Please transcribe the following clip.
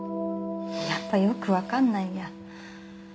やっぱよく分かんないや。